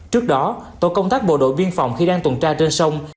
trước đó tổ công tác bộ đội biên phòng khi đang tuần tra trên sông